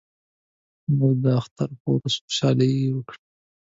موږ به د اختر په ورځ خوشحالي وکړو